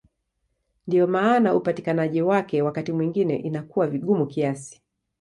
Ndiyo maana upatikanaji wake wakati mwingine inakuwa vigumu kiasi.